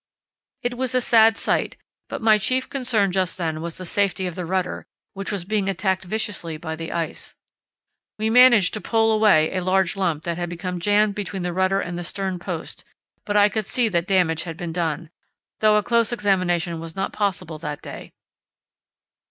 It was a sad sight, but my chief concern just then was the safety of the rudder, which was being attacked viciously by the ice. We managed to pole away a large lump that had become jammed between the rudder and the stern post, but I could see that damage had been done, though a close examination was not possible that day.